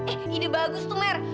eh ide bagus tuh mer